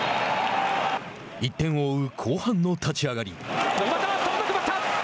１点を追う後半の立ち上がり。